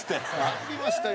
参りましたよ。